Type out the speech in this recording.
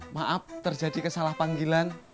maaf terjadi kesalah panggilan